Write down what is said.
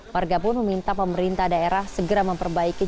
warga pun meminta pemerintah daerah segera memperbaiki